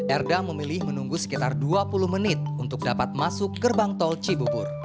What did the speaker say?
erda memilih menunggu sekitar dua puluh menit untuk dapat masuk gerbang tol cibubur